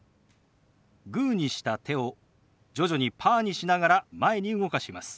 グーにした手を徐々にパーにしながら前に動かします。